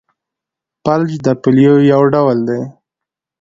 فلج د پولیو یو ډول دی.